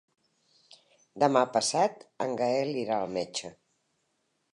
Demà passat en Gaël irà al metge.